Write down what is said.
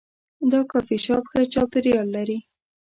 دا کافي شاپ ښه چاپیریال لري.